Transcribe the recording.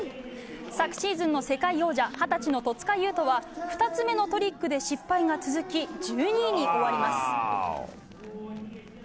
昨シーズンの世界王者二十歳の戸塚優斗選手は２つ目のトリックで失敗が続き１２位に終わります。